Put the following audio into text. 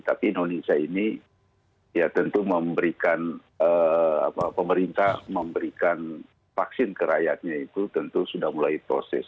tapi indonesia ini ya tentu memberikan pemerintah memberikan vaksin ke rakyatnya itu tentu sudah mulai proses